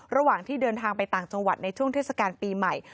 ระหว่างที่เดินทางไปต่างจังหวัดในช่วงเทศกาลปีใหม่